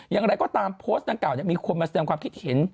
อย่างไรก็ตามโพสต์ดังกล่าวมีคนมาแสดงความคิดเห็น